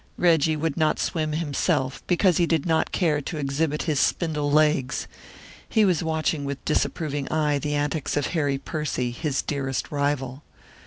Reggie would not swim himself, because he did not care to exhibit his spindle legs; he was watching with disapproving eye the antics of Harry Percy, his dearest rival.